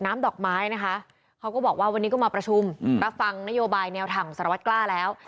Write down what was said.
ดอกไม้นะคะเขาก็บอกว่าวันนี้ก็มาประชุมรับฟังนโยบายแนวทางสารวัตรกล้าแล้ว